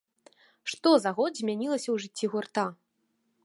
Што за год змянілася ў жыцці гурта?